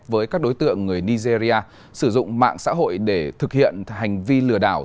với các đối tượng người nigeria sử dụng mạng xã hội để thực hiện hành vi lừa đảo